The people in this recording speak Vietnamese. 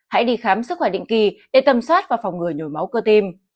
hãy đi khám sức khỏe định kỳ để tầm soát và phòng người nhồi máu cơ tim